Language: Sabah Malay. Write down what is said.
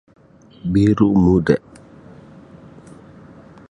Biru muda.